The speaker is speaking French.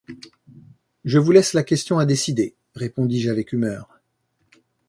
Je vous laisse la question à décider, répondis-je avec humeur.